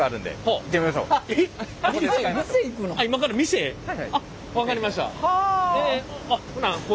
あっ分かりました。